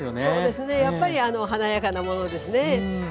そうですねやっぱり華やかなものですね。